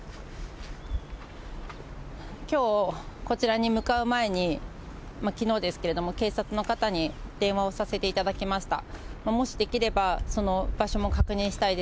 きょう、こちらに向かう前に、きのうですけれども、警察の方に電話をさせていただきました。